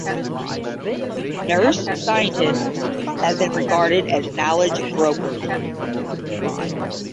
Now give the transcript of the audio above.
Nurse scientists have been regarded as knowledge brokers.